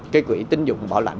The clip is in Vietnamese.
cái quỹ tín dụng bảo lãnh